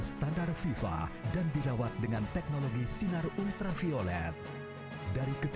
setidak menenang itu melintasi nyamik